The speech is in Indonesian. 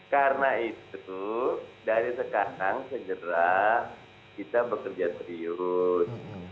karena itu dari sekarang segera kita bekerja triut